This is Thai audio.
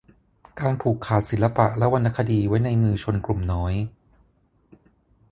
การผูกขาดศิลปะและวรรณคดีไว้ในมือชนกลุ่มน้อย